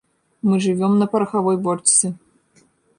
Мы жывём на парахавой бочцы.